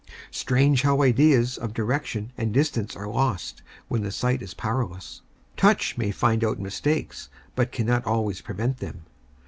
Strange how ideas of direction and distance are lost when the sight is powerless! Touch may find out mistakes, but cannot always prevent them.